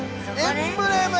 エンブレム！